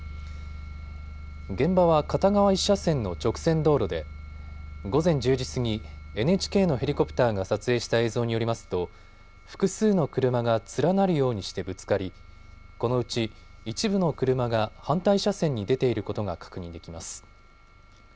現場は片側１車線の直線道路で午前１０時過ぎ、ＮＨＫのヘリコプターが撮影した映像によりますと複数の車が連なるようにしてぶつかりこのうち、一部の車が反対車線に出ていることが確認できます。